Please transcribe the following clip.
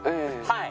はい。